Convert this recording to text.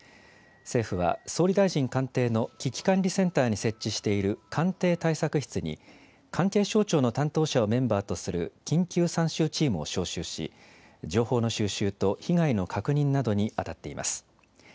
政府は、総理大臣官邸の危機管理センターに設置している官邸対策室に、関係省庁の担当者をメンバーとする緊急参集チームを招集し、情報の収集と被害の確認などに当たっています。